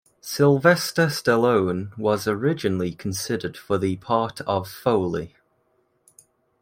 Sylvester Stallone was originally considered for the part of Foley.